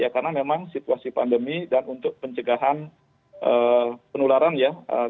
karena memang situasi pandemi dan untuk pencegahan penularan ya